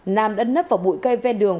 nam đã nấp vào bụi cây ve đường